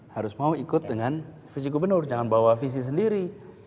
harus mau ikut dengan visi gubernur jangan bawa visi sendiri